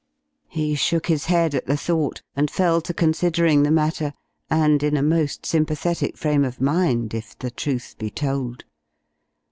He shook his head at the thought, and fell to considering the matter and in a most sympathetic frame of mind if the truth be told.